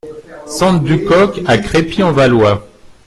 Sente du Coq à Crépy-en-Valois